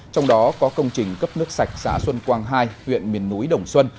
trong đó có công trình cấp nước sạch xã xuân quang hai huyện miền núi đồng xuân